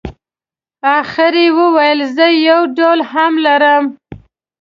اخر یې وویل زه یو ډول هم لرم.